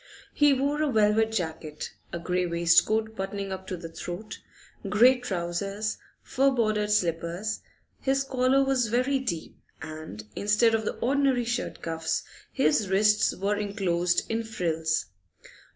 He wore a velvet jacket, a grey waistcoat buttoning up to the throat, grey trousers, fur bordered slippers; his collar was very deep, and instead of the ordinary shirt cuffs, his wrists were enclosed in frills.